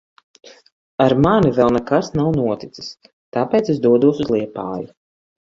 Ar mani vēl nekas nav noticis. Tāpēc es dodos uz Liepāju.